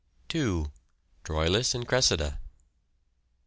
Troilus and Cressida.